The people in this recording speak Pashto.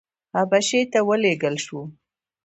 حبشې ته ولېږل شو.